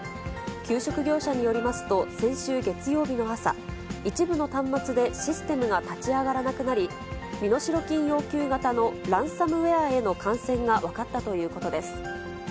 給食業者によりますと、先週月曜日の朝、一部の端末でシステムが立ち上がらなくなり、身代金要求型のランサムウエアへの感染が分かったということです。